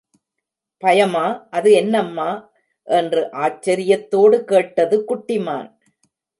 பயமா அது என்னம்மா? என்று ஆச்சரியத்தோடு கேட்டது குட்டி மான்.